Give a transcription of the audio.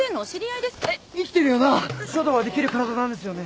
書道はできる体なんですよね？